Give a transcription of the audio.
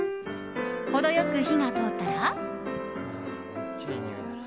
程良く火が通ったら。